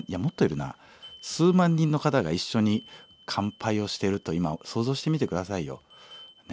数万人の方が一緒に乾杯をしてると今想像してみて下さいよ。ね？